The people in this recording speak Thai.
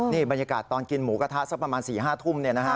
นี่บรรยากาศตอนกินหมูกระทะสักประมาณ๔๕ทุ่ม